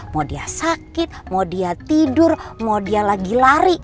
mau dia sakit mau dia tidur mau dia lagi lari